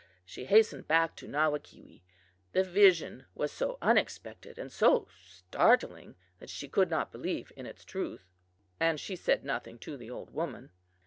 She hastened back to Nawakewee. The vision was so unexpected and so startling that she could not believe in its truth, and she said nothing to the old woman.